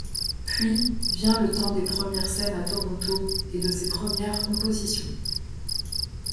Puis, vient le temps des premières scènes à Toronto et de ses premières compositions.